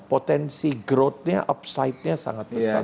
potensi growthnya upside nya sangat besar